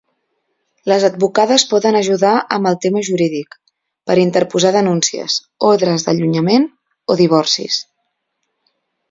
Les advocades poden ajudar amb el tema jurídic, per interposar denúncies, ordres d'allunyament o divorcis.